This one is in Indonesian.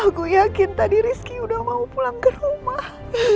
aku yakin tadi rizky udah mau pulang ke rumah